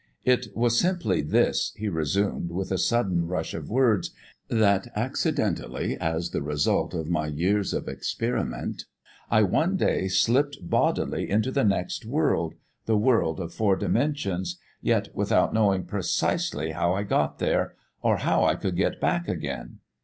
"It was simply this," he resumed with a sudden rush of words, "that, accidentally, as the result of my years of experiment, I one day slipped bodily into the next world, the world of four dimensions, yet without knowing precisely how I got there, or how I could get back again.